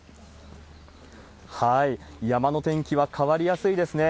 山の天気は変わりやすいですね。